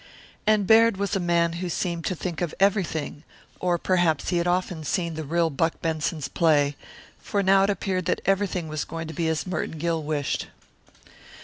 And Baird was a man who seemed to think of everything, or perhaps he had often seen the real Buck Benson's play, for it now appeared that everything was going to be as Merton Gill wished.